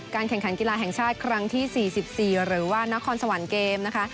แข่งขันกีฬาแห่งชาติครั้งที่๔๔หรือว่านครสวรรค์เกมนะคะ